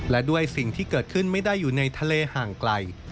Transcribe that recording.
และด้วยสิ่งที่เกิดขึ้นไม่ได้อยู่ในทะเลห่างไกล